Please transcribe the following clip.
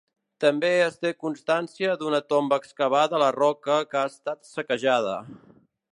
També es té constància d'una tomba excavada a la roca que ha estat saquejada.